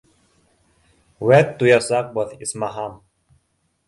Үәт, туясаҡбыҙ, исмаһам.